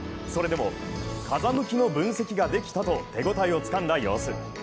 それでも風向きの分析ができたと手応えをつかんだ様子。